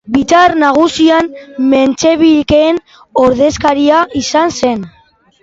Biltzar Nagusian mentxebikeen ordezkaria izan zen.